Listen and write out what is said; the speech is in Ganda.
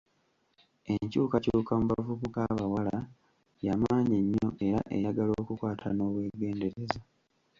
Enkyukakyuka mu bavubuka abawala yamaanyi nnyo era eyagala okukwata n'obwegendereza.